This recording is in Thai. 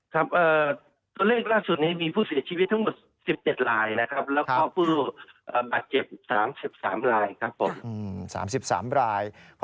ครับตัวเลขล่าสุดนี้มีผู้เสียชีวิตทั้งหมด๑๗รายนะครับ